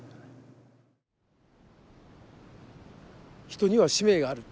人には使命がある。